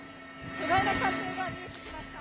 巨大な艦艇が見えてきました。